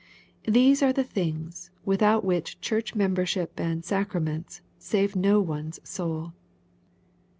These are the things, with out which church membership and sacraments save no one's soul.